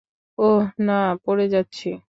ওহ না, পড়ে যাচ্ছি।